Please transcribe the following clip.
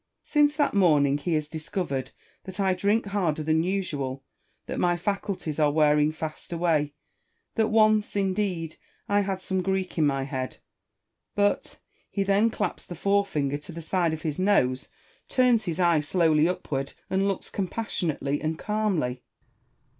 Since that morning he has discovered that I drink harder than usual, that my faculties are wearing fast away, that once, indeed, I had some Greek in my head, but — he then claps the forefinger to the side of his nose, turns his eye slowly upward, and looks compassionately and calmly.